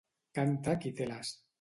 Canta qui té l'as.